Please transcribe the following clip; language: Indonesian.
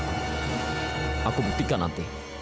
aku akan buktikan nanti